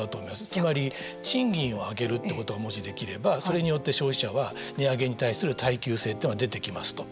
つまり賃金を上げるってことがもしできれば、それによって消費者は値上げに対する耐久性というのが出てきますと。